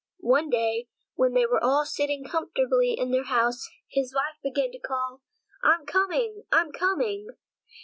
One day, when they were all sitting comfortably in their house, his wife suddenly began to call: "I'm coming, I'm coming!"